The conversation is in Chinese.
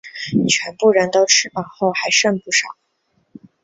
全部人都吃饱后还剩不少